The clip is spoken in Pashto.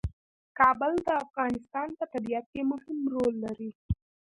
کابل د افغانستان په طبیعت کې مهم رول لري.